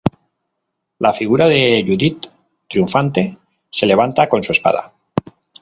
La figura de Judith triunfante se levanta con su espada.